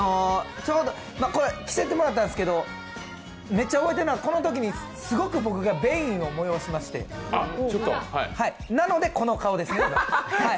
着せてもらったんですけど、めっちゃ覚えてるのはこのときにすごく僕が便意を催しましてなのでこの顔です。